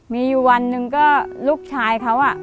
มีอยู่วันหนึ่งก็ลูกชายเขา